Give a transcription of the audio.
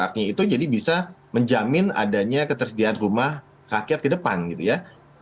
artinya itu jadi bisa menjamin adanya ketersediaan rumah rakyat ke depan gitu ya